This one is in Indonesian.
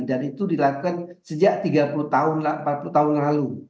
dan itu dilakukan sejak tiga puluh tahun empat puluh tahun yang lalu